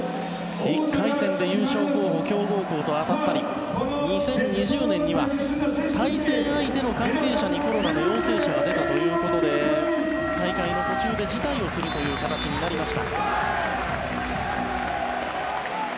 １回戦で優勝候補、強豪校と当たったり２０２０年には対戦相手の関係者にコロナの陽性者が出たということで大会の途中で辞退をする形になりました。